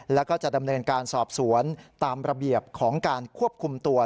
แล้วก็จะดำเนินการสอบสวนตามระเบียบของการควบคุมตัว